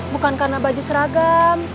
bukan karena baju seragam